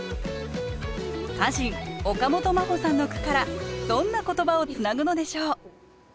歌人岡本真帆さんの句からどんな言葉をつなぐのでしょう？